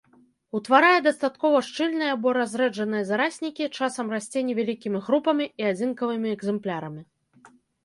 Утварае дастаткова шчыльныя або разрэджаныя зараснікі, часам расце невялікімі групамі і адзінкавымі экземплярамі.